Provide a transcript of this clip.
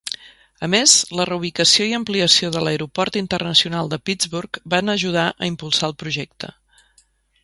A més, la reubicació i ampliació de l'aeroport internacional de Pittsburgh van ajudar a impulsar el projecte.